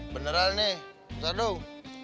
beneran nih besar dong